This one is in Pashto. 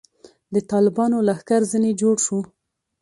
د طالبانو لښکر ځنې جوړ شو.